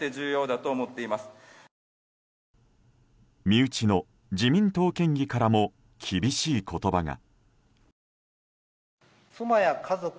身内の自民党県議からも厳しい言葉が。